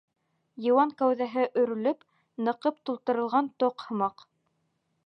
Йыуан кәүҙәһе өрөлөп, ныҡып тултырылған тоҡ һымаҡ.